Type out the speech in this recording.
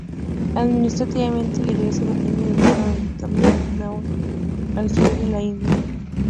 Administrativamente la isla depende del Estado de Tamil Nadu al sur de la India.